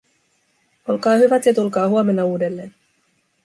Olkaa hyvät ja tulkaa huomenna uudelleen."